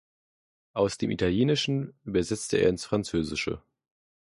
Aus dem Italienischen übersetzte er ins Französische.